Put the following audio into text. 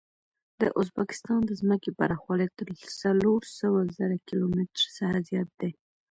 د ازبکستان د ځمکې پراخوالی تر څلور سوه زره کیلو متره څخه زیات دی.